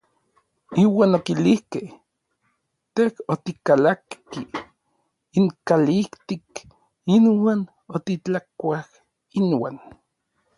Iuan okilijkej: Tej otikalakki inkalijtik iuan otitlakuaj inuan.